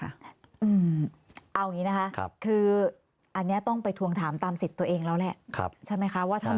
เอาอย่างนี้นะคะคืออันนี้ต้องไปทวงถามตามสิทธิ์ตัวเองแล้วแหละใช่ไหมคะว่า